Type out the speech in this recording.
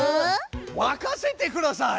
任せてください！